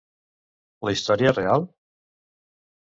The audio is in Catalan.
La història és real?